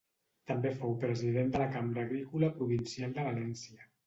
També fou president de la Cambra Agrícola Provincial de València.